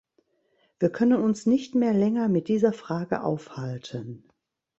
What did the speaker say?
Wir können uns nicht mehr länger mit dieser Frage aufhalten.